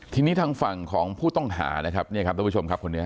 ทีนี้ทางฝั่งของผู้ต้องหานะครับเนี่ยครับทุกผู้ชมครับคนนี้